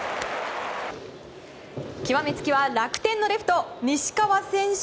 極めつけは楽天のレフト西川選手